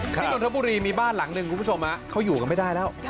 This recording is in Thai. นนทบุรีมีบ้านหลังหนึ่งคุณผู้ชมเขาอยู่กันไม่ได้แล้ว